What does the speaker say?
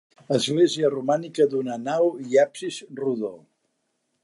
Església romànica d'una nau i absis rodó.